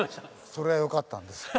それがよかったんですよ。